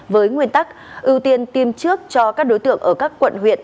với nguyên tắc ưu tiên tiêm trước cho các đối tượng ở các quận huyện